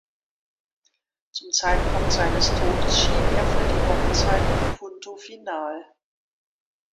Zum Zeitpunkt seines Todes schrieb er für die Wochenzeitung "Punto Final".